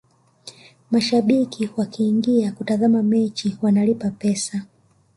mashabiki wakiingia kutazama mechi wanalipa pesa